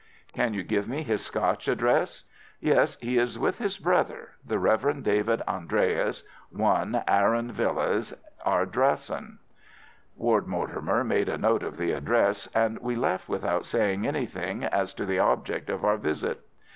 "Can you give me his Scotch address?" "Yes, he is with his brother, the Rev. David Andreas, 1, Arran Villas, Ardrossan." Ward Mortimer made a note of the address, and we left without saying anything as to the object of our visit.